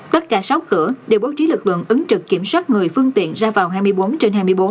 tất cả sáu cửa đều bố trí lực lượng ứng trực kiểm soát người phương tiện ra vào hai mươi bốn trên hai mươi bốn